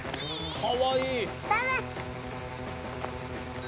かわいい。